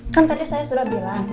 kan tadi saya sudah bilang